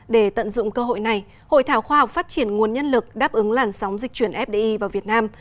để tận dụng cơ hội này hội thảo khoa học phát triển nguồn nhân lực đáp ứng làn sóng dịch chuyển fdi vào việt nam